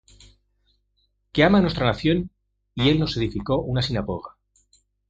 Que ama nuestra nación, y él nos edificó una sinagoga.